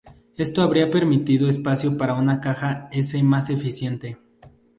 Esto habría permitido espacio para una caja S más eficiente.